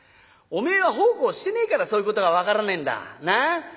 「おめえは奉公してねえからそういうことが分からねえんだ。